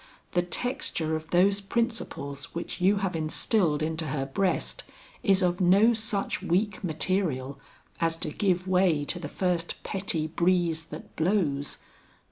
The texture of those principles which you have instilled into her breast, is of no such weak material as to give way to the first petty breeze that blows.